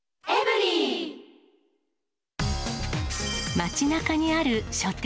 街中にある書店。